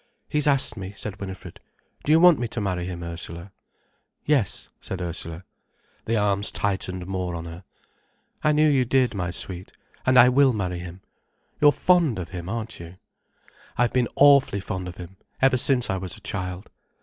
"He's asked me," said Winifred. "Do you want me to marry him, Ursula?" "Yes," said Ursula. The arms tightened more on her. "I knew you did, my sweet—and I will marry him. You're fond of him, aren't you?" "I've been awfully fond of him—ever since I was a child."